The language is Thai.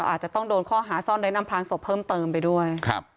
อาจจะต้องโดนข้อหาซ่อนเร้นอำพลางศพเพิ่มเติมไปด้วยครับ